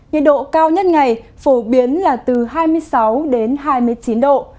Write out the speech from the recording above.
nhiệt độ cao nhất ngày phổ biến là từ hai mươi sáu hai mươi chín độ